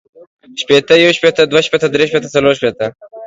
شپیته، یو شپیته، دوه شپیته، درې شپیته، څلور شپیته